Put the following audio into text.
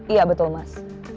iya betul mas